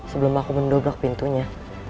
sebelum aku mendobrak pintunya